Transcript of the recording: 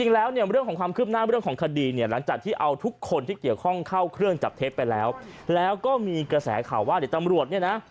แล้วก็มีกระแสข่าวว่าเดี๋ยวตำรวจเนี่ยนะ